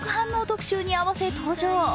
特集に合わせ登場。